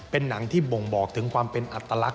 เป็นหนังที่บ่งบอกถึงความเป็นอัตลักษ